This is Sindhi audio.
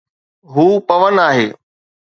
هو پون آهي